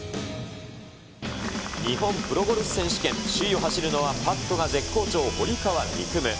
日本プロゴルフ選手権、首位を走るのはパットが絶好調、堀川未来夢。